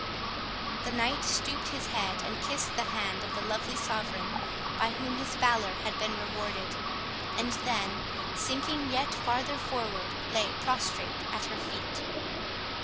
The knight stooped his head, and kissed the hand of the lovely Sovereign by whom his valour had been rewarded; and then, sinking yet farther forward, lay prostrate at her feet.